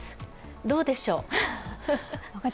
どうでしょう？